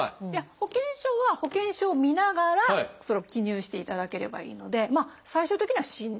保険証は保険証を見ながら記入していただければいいので最終的には申請書が必要。